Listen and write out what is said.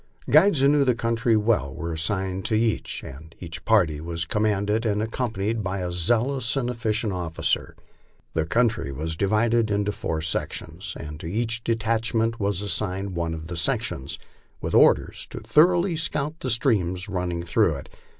Guides who knew the country well were assigned to each, and each party was com manded and accompanied by zealous and efficient officers. The country was divided into four sections, and to each detachment was assigned one of the sec tions, with orders to thoroughly scout the streams running through it.